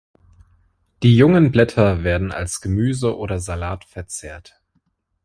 Die jungen Blätter werden als Gemüse oder Salat verzehrt.